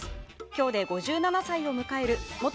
今日で５７歳を迎える元